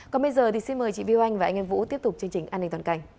còn bây giờ thì xin mời chị viu anh và anh em vũ tiếp tục chương trình an ninh toàn cảnh